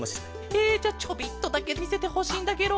えじゃちょびっとだけみせてほしいんだケロ。